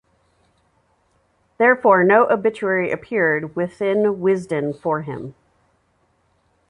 Therefore no obituary appeared within Wisden for him.